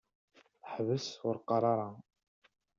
Ḥbes ur qqaṛ ara!